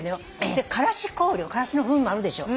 でからし香料からしの風味もあるでしょ。